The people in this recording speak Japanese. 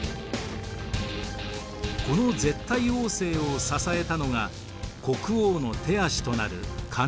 この絶対王政を支えたのが国王の手足となる官僚機構。